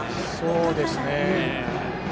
そうですね。